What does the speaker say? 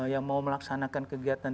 yang mau melaksanakan kegiatan